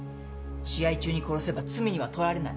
試合中に殺せば罪には問われない。